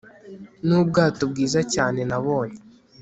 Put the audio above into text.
nubwato bwiza cyane nabonye